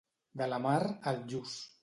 De la mar, el lluç.